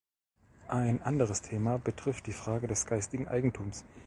Ein anderes Thema betrifft die Frage des geistigen Eigentums.